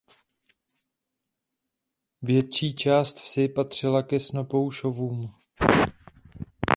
Větší část vsi patřila ke Snopoušovům.